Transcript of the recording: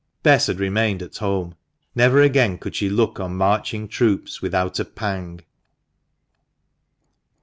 Bess had remained at home. Never again could she look on marching troops without a pang.